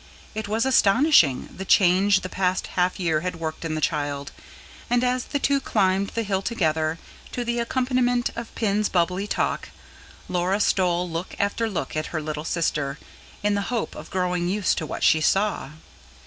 It was astonishing, the change the past half year had worked in the child; and as the two climbed the hill together, to the accompaniment of Pin's bubbly talk, Laura stole look after look at her little sister, in the hope of growing used to what she saw.